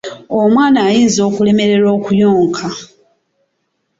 Omwana ayinza okulemererwa okuyonka.